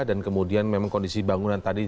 dan kemudian memang kondisi bangunan tadi